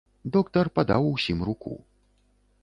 Доктар падаў усім руку.